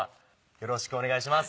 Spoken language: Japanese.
よろしくお願いします。